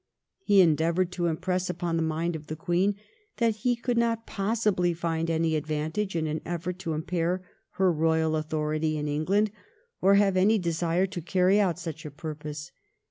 He endeavoured to impress upon the mind of the Queen that he could not possibly find any advantage in an effort to impair her royal authority in England or have any desire to carry out such a purpose.